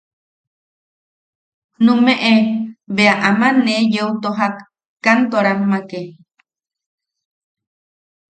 Numeʼe bea aman ne yeu tojak Kantorammake.